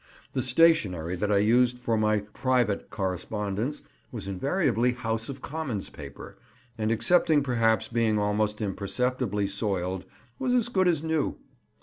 The stationery that I used for my "private" correspondence was invariably House of Commons paper, and, excepting perhaps being almost imperceptibly soiled, was as good as new.